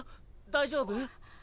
大丈夫？